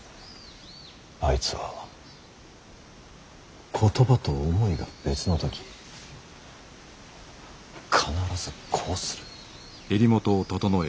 あいつは言葉と思いが別の時必ずこうする。